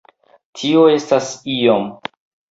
Tio estas iom...